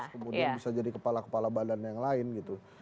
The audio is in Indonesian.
kemudian bisa jadi kepala kepala badan yang lain gitu